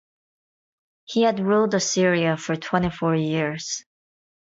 He had ruled Assyria for twenty-four years.